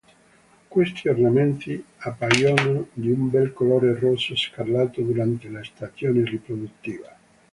Questi ornamenti appaiono di un bel colore rosso scarlatto durante la stagione riproduttiva.